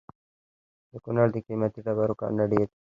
د کونړ د قیمتي ډبرو کانونه ډیر دي